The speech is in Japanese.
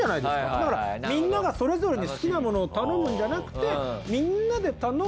だからみんながそれぞれに好きなものを頼むんじゃなくて。